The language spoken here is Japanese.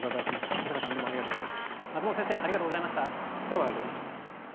田坂さん、松本先生ありがとうございました。